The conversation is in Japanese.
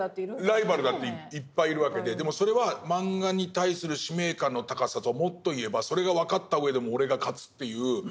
ライバルだっていっぱいいるわけででもそれはマンガに対する使命感の高さともっと言えばそれが分かったうえでも俺が勝つっていう恐らく。